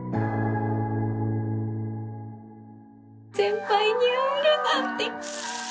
先輩に会えるなんて！